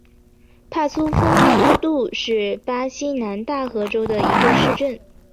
帕苏丰杜是巴西南大河州的一个市镇。